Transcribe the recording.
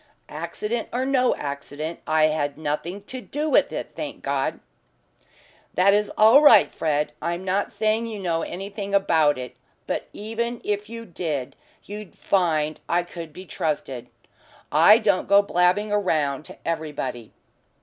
"Accident or no accident, I had nothing to do with it, thank God." "That is all right, Fred. I'm not saying you know anything about it. But even if you did you'd find I could be trusted. I don't go blabbing round to everybody."